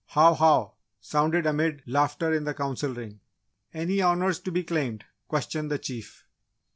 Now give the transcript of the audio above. "How! How!" sounded amid laughter in the Council Ring. "Any Honours to be claimed?" questioned the Chief.